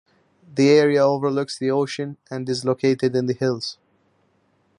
The area overlooks the ocean and is located in the hills.